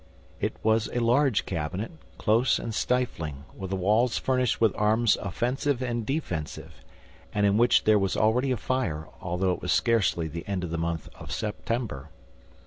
It was a large cabinet, close and stifling, with the walls furnished with arms offensive and defensive, and in which there was already a fire, although it was scarcely the end of the month of September.